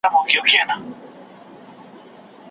سل ځله مي وایستل توبه له لېونتوب څخه